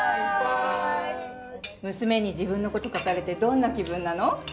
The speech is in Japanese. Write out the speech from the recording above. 娘に自分のこと書かれてどんな気分なの？